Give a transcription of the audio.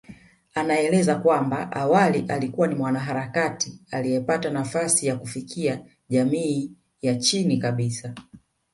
Anaeleza kwamba awali alikuwa ni mwanaharakati aliyepata nafasi ya kuifikia jamii ya chini kabisa